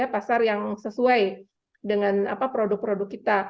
pasar yang sesuai dengan produk produk kita